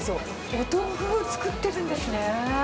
お豆腐を作ってるんですね。